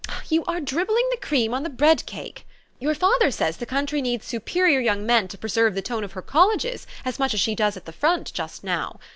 You are dribbling the tream on the bread cake. Your father says the country needs superior young men to preserve the tone of her colleges as much as she does at the front just now.